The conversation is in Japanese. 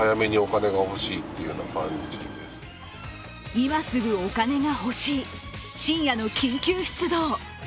今すぐお金が欲しい深夜の緊急出動。